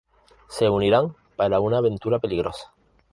Se unirán para una aventura peligrosa.